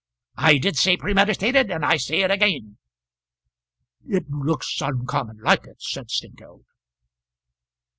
"I did say premeditated, and I say it again." "It looks uncommon like it," said Snengkeld.